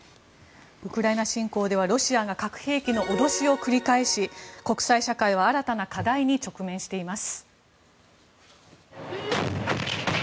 ウクライナ侵攻ではロシアが核兵器の脅しを繰り返し国際社会は新たな課題に直面しています。